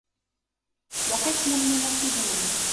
وَقِسْمٌ مُنَاسِبُونَ